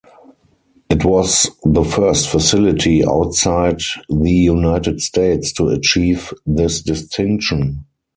It was the first facility outside the United States to achieve this distinction.